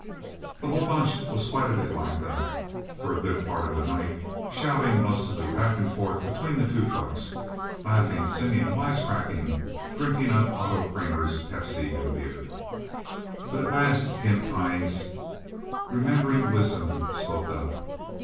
The whole Bunch was quite a bit like that, for a good part of the night, shouting lustily back and forth between the two trucks, laughing, singing, wise cracking, drinking up Otto Kramer's Pepsi and beer. But at last, Gimp Hines, remembering wisdom, spoke up.